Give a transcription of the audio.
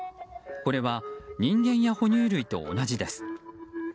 これは人間や哺乳類と同じです。